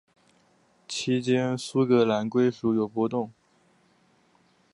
期间苏格兰归属有波动。